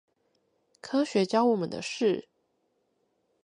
科學教我們的事